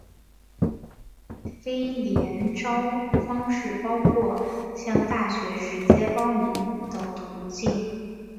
非联招方式包括向大学直接报名等途径。